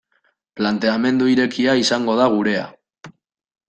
Planteamendu irekia izan da gurea.